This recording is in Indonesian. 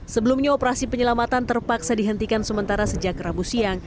sebelumnya operasi penyelamatan terpaksa dihentikan sementara sejak rabu siang